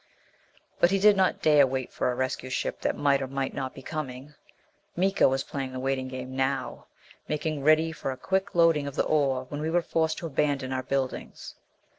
But he did not dare wait for a rescue ship that might or might not be coming! Miko was playing the waiting game now making ready for a quick loading of the ore when we were forced to abandon our buildings.